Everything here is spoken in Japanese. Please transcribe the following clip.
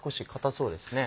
そうですね。